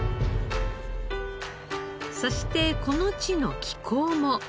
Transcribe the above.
そしてこの地の気候も。